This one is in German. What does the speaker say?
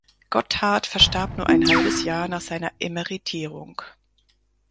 Gotthardt verstarb nur ein halbes Jahr nach seiner Emeritierung.